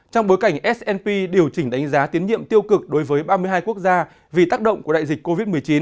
trong bối cảnh s p điều chỉnh đánh giá tiến nhiệm tiêu cực đối với ba mươi hai quốc gia vì tác động của đại dịch covid một mươi chín